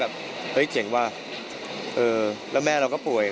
แบบเจ๋งว่าแล้วแม่เราก็ป่วย